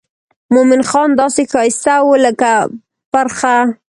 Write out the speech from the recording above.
مومن خان داسې ښایسته و لکه پرخه.